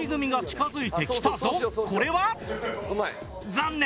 残念！